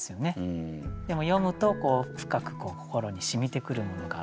でも読むと深く心にしみてくるものがあると。